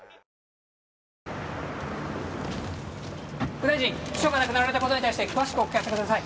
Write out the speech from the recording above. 副大臣秘書が亡くなられた事に対して詳しくお聞かせください。